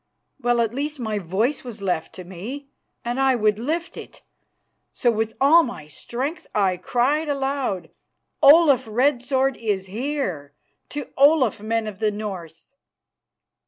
Well, at least my voice was left to me, and I would lift it. So with all my strength I cried aloud, "Olaf Red Sword is here! To Olaf, men of the North!"